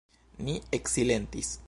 Ni eksilentis.